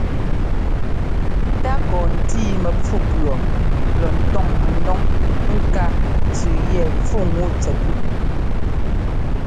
Takɔ ntíi mɛfú pʉɔ lɔ ńtɔ́ŋ mɛdɔŋ ŋká tsʉʉ yɛ pfúŋu tsɛttu.